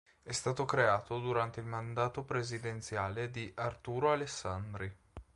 È stato creato durante il mandato presidenziale di Arturo Alessandri.